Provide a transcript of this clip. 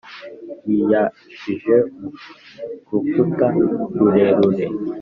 wiyashije mu rukuta rurerure: